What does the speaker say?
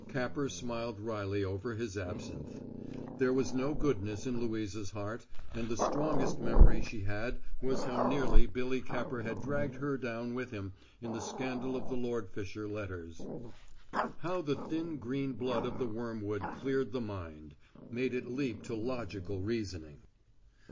Capper smiled wryly over his absinth. There was no goodness in Louisa's heart, and the strongest memory she had was how nearly Billy Capper had dragged her down with him in the scandal of the Lord Fisher letters. How the thin green blood of the wormwood cleared the mind made it leap to logical reasoning!